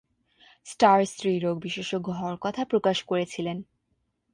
Star স্ত্রীরোগ বিশেষজ্ঞ হওয়ার কথা প্রকাশ করেছিলেন।